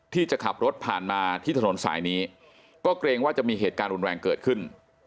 ที่จะขับรถผ่านมาที่ถนนสายนี้ก็เกรงว่าจะมีเหตุการณ์รุนแรงเกิดขึ้น